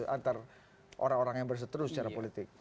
antara orang orang yang berseteru secara politik